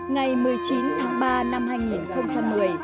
ngày một mươi chín tháng ba năm hai nghìn một mươi